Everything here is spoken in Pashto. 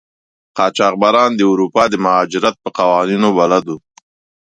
قاچاقبران د اروپا د مهاجرت په قوانینو بلد وو.